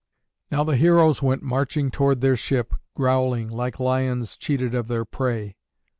Now the heroes went marching toward their ship, growling, like lions cheated of their prey.